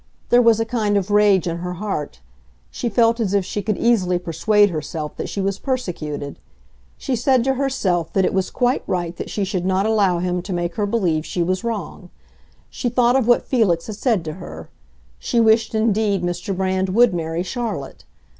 There was a kind of rage in her heart; she felt as if she could easily persuade herself that she was persecuted. She said to herself that it was quite right that she should not allow him to make her believe she was wrong. She thought of what Felix had said to her; she wished indeed Mr. Brand would marry Charlotte.